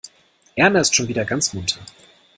Erna ist schon wieder ganz munter.